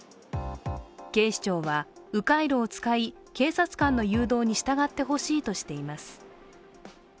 警視庁は、う回路を使い警察官の誘導に従ってほしいとしています。